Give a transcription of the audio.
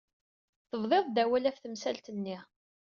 Tebdiḍ-d awal ɣef temsalt-nni.